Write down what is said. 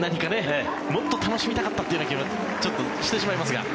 もっと楽しみたかったという気がちょっとしてしまいますが。